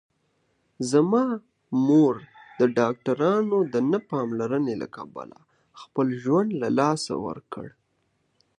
زما مور د ډاکټرانو د نه پاملرنې له کبله خپل ژوند له لاسه ورکړ